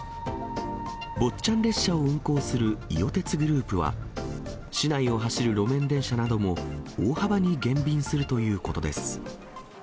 坊っちゃん列車を運行する伊予鉄グループは、市内を走る路面電車なども、大幅に減便するということです。